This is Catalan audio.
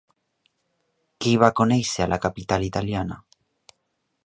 Qui va conèixer a la capital italiana?